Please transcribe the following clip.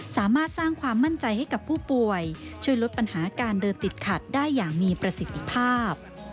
สามารถสร้างความมั่นใจให้กับผู้ป่วยช่วยลดปัญหาการเดินติดขัดได้อย่างมีประสิทธิภาพ